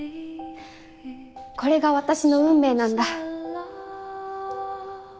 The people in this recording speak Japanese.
これが私の運命なんだ。